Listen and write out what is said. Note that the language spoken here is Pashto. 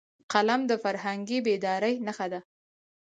قلم د فرهنګي بیدارۍ نښه ده